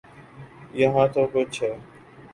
یہاں تو کچھ ہے۔